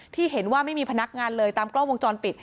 ที่เห็นว่าไม่มีพนักงานเลยตามกล้องวงจรปิด